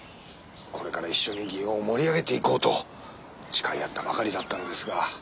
これから一緒に祇園を盛り上げていこうと誓い合ったばかりだったのですが。